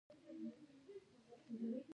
یو بل ډول سرکښان له اخلاقي اصولو منکر وو.